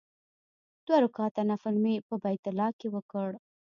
دوه رکعاته نفل مې په بیت الله کې وکړ.